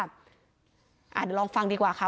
เดี๋ยวลองฟังดีกว่าค่ะ